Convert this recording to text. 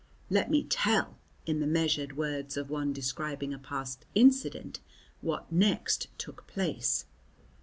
Let me tell, in the measured words of one describing a past incident, what next took place.